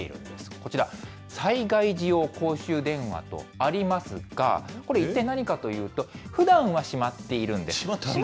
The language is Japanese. こちら、災害時用公衆電話とありますが、これ、一体何かというと、ふだんはしまっているんです。